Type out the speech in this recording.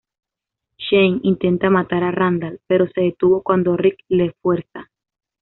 Shane intenta matar a Randall, pero se detuvo cuando Rick le fuerza.